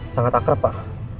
sangat akrab pak